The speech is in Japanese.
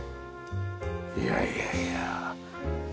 いやいやいや。